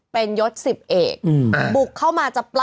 เป็นยด๑๐เก็บ